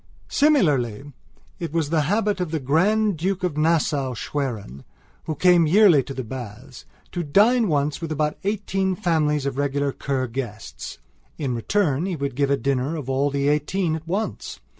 Similarly it was the habit of the Grand Duke of Nassau Schwerin, who came yearly to the baths, to dine once with about eighteen families of regular Kur guests. In return he would give a dinner of all the eighteen at once.